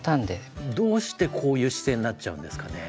どうしてこういう姿勢になっちゃうんですかね？